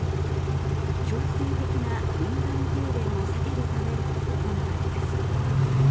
強制的な輪番停電を避けるため行われます。